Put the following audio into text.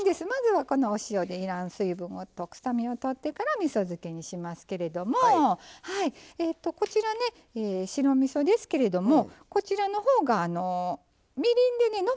まずはこのお塩で要らん水分と臭みを取ってからみそ漬けにしますけれどもこちらね白みそですけれどもこちらの方がみりんでね